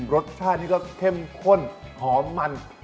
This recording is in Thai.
รสชาตินี่ก็เข้มข้นหอมมัน